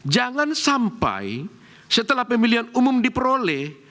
jangan sampai setelah pemilihan umum diperoleh